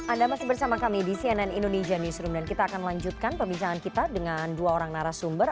anda masih bersama kami di cnn indonesia newsroom dan kita akan lanjutkan perbincangan kita dengan dua orang narasumber